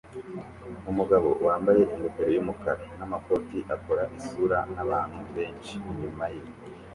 Umugabo wambaye ingofero yumukara namakoti akora isura nabantu benshi inyuma ye